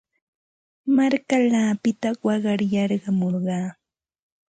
Markallaapita waqar yarqamurqaa.